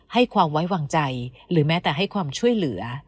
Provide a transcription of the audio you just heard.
ให้ความไว้วางใจหรือแม้แต่ให้ความช่วยเหลือ